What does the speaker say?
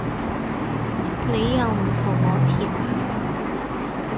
你又唔同我甜下